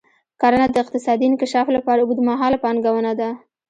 کرنه د اقتصادي انکشاف لپاره اوږدمهاله پانګونه ده.